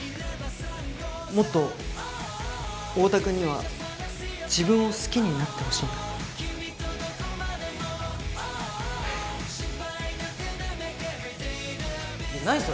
もっとオオタ君には自分を好きになってほしいから。